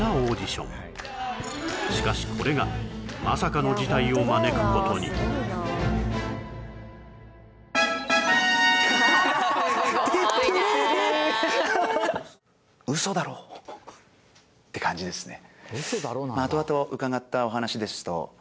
しかしこれがまさかの事態を招くことにって感じですね